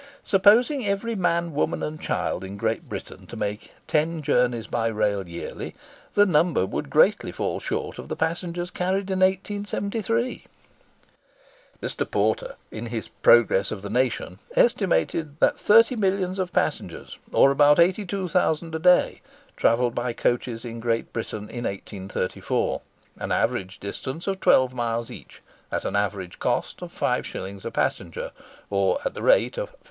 Supposing every man, woman, and child in Great Britain to make ten journeys by rail yearly, the number would greatly fall short of the passengers carried in 1873. Mr. Porter, in his 'Progress of the Nation,' estimated that thirty millions of passengers, or about eighty two thousand a day, travelled by coaches in Great Britain in 1834, an average distance of twelve miles each, at an average cost of 5s. a passenger, or at the rate of 5d.